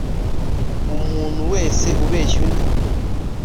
umuntu wese ubeshya undi